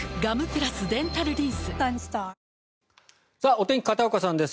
お天気、片岡さんです。